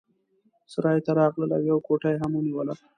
سرای ته راغلل او یوه کوټه یې ونیوله.